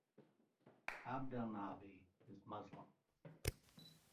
Abdelnaby is Muslim.